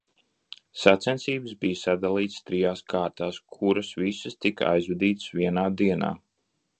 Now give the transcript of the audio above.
Sacensības bija sadalītas trijās kārtās, kuras visas tika aizvadītas vienā dienā.